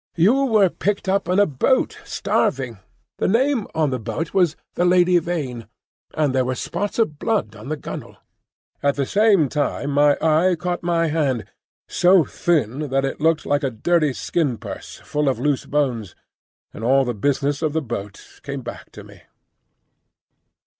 "You were picked up in a boat, starving. The name on the boat was the Lady Vain, and there were spots of blood on the gunwale." At the same time my eye caught my hand, so thin that it looked like a dirty skin purse full of loose bones, and all the business of the boat came back to me.